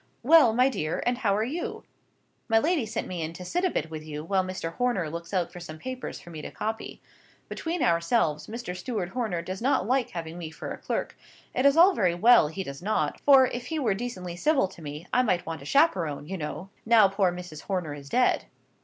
"Well, my dear! and how are you? My lady sent me in to sit a bit with you, while Mr. Horner looks out some papers for me to copy. Between ourselves, Mr. Steward Horner does not like having me for a clerk. It is all very well he does not; for, if he were decently civil to me, I might want a chaperone, you know, now poor Mrs. Horner is dead."